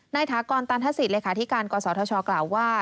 ถากรตันทศิษย์เลขาธิการกศธชกล่าวว่า